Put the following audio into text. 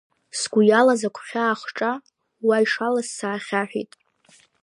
Сгәы иалаз агәхьаа-ахҿа уа ишалаз саахьаҳәит.